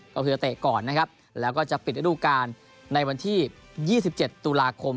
ก็คือจะเตะก่อนนะครับแล้วก็จะปิดระดูการในวันที่๒๗ตุลาคม